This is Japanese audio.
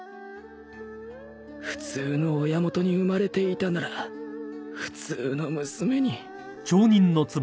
普通の親元に生まれていたなら普通の娘に